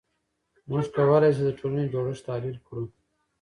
موږ کولای شو د ټولنې جوړښت تحلیل کړو.